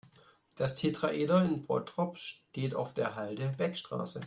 Das Tetraeder in Bottrop steht auf der Halde Beckstraße.